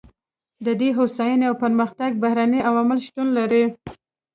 د دې هوساینې او پرمختګ بهرني عوامل شتون لري.